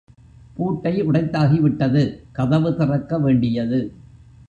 பூட்டை உடைத்தாகிவிட்டது கதவு திறக்க வேண்டியது.